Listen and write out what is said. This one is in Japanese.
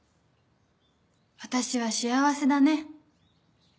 私は幸せだね。